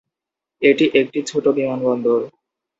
এটি একটি ছোট বিমানবন্দর।